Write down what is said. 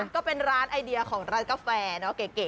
ก็เป็นร้านไอเดียของร้านกาแฟเนาะเก๋